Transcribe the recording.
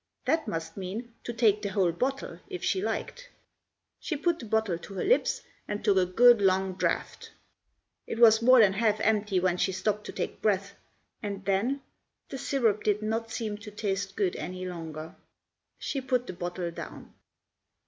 That must mean to take the whole bottle, if she liked. She put the bottle to her lips and took a good long draught. It was more than half empty when she stopped to take breath, and then,—the syrup did not seem to taste good any longer. She put the bottle down.